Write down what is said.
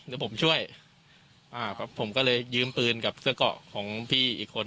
เดี๋ยวผมช่วยอ่าครับผมก็เลยยืมปืนกับเสื้อเกาะของพี่อีกคน